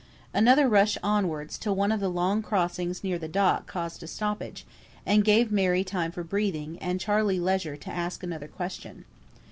Another rush onwards, till one of the long crossings near the docks caused a stoppage, and gave Mary time for breathing, and Charley leisure to ask another question.